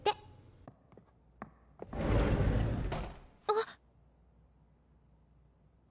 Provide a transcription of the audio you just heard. あっ！